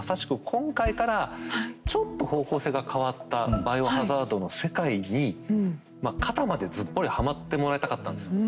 今回からちょっと方向性が変わった「バイオハザード」の世界にまあ肩までずっぽりはまってもらいたかったんですよ。